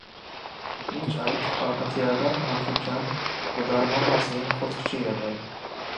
Մինչ այդ «քաղաքացիական բնակչության վտարման մասին խոսք չի եղել»։